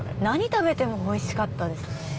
何食べてもオイシかったですね。